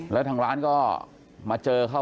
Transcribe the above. แล้วทางร้านก็มาเจอเข้า